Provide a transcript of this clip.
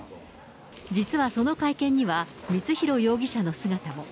実はその会見には、光弘容疑者の姿も。